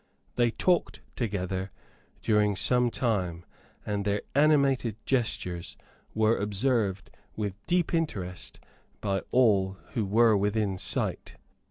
They talked together during some time; and their animated gestures were observed with deep interest by all who were within sight.